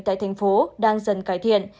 tại thành phố đang dần cải thiện